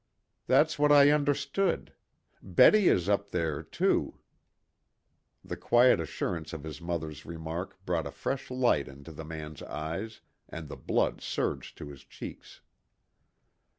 "That's what I understood. Betty is up there too." The quiet assurance of his mother's remark brought a fresh light into the man's eyes, and the blood surged to his cheeks.